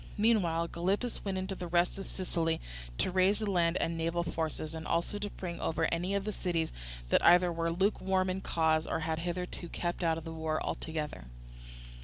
Meanwhile Gylippus went into the rest of Sicily to raise land and naval forces, and also to bring over any of the cities that either were lukewarm in the cause or had hitherto kept out of the war altogether.